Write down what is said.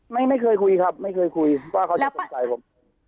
ไม่เคยคุยครับไม่เคยคุยว่าเขาจะสงสัยผม